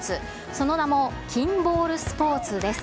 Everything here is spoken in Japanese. その名も、キンボールスポーツです。